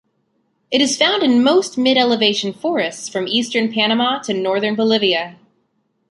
It is found in moist mid-elevation forests from eastern Panama to northern Bolivia.